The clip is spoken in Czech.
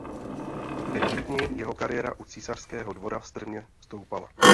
Ve Vídní jeho kariéra u císařského dvora strmě stoupala.